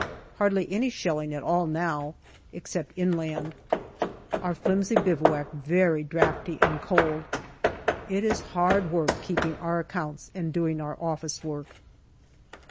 Hardly any shelling at all now, except nland. Our flimsy bivouac very draughty and cold. It is hard work keeping our accounts and doing our office work.